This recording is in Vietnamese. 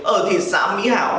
ở thị xã mỹ hảo